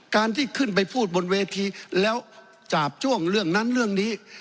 การที่ขึ้นไปพูดบนเวทีแล้วจาบจ้วงเรื่องนั้นเรื่องนี้